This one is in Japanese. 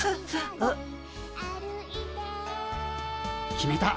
決めた。